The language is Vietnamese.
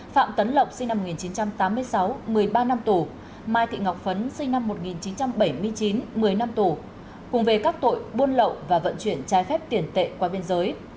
phạm tấn lộc sinh năm một nghìn chín trăm tám mươi sáu một mươi ba năm tù mai thị ngọc phấn sinh năm một nghìn chín trăm bảy mươi chín một mươi năm tù cùng về các tội buôn lậu và vận chuyển trái phép tiền tệ qua biên giới